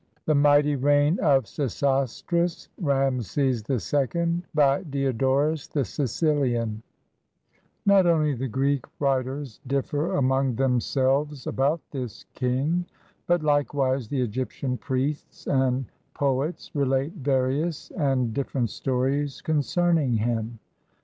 THE MIGHTY REIGN OF SESOSTRIS (RAMESES II) BY DIODORUS THE SICILIAN Not only the Greek writers differ among themselves about this king, but Ukewise the Egyptian priests and poets relate various and different stories concerning him.